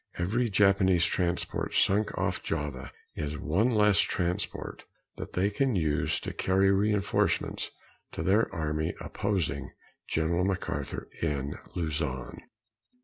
Every Japanese transport sunk off Java is one less transport that they can use to carry reinforcements to their army opposing General MacArthur in Luzon.